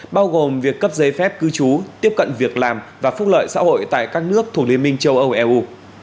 bao gồm việc cấp giấy phép cư trú tiếp cận việc làm và phúc lợi xã hội tại các nước thuộc liên minh châu âu eu